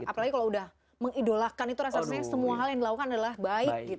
apalagi kalau sudah mengidolakan itu rasanya semua hal yang dilakukan adalah baik